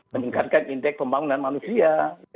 meningkatkan indeks pembangunan manusia